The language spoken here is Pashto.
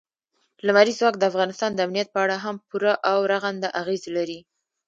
لمریز ځواک د افغانستان د امنیت په اړه هم پوره او رغنده اغېز لري.